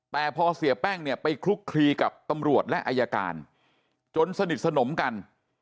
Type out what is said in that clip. แต่พอเสียแป้งเนี่ยไปคลุกคลีกับตำรวจและอายการจนสนิทสนมกัน